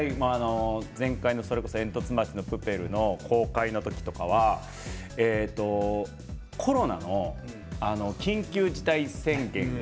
「えんとつ町のプペル」の公開の時とかコロナの緊急事態宣言が。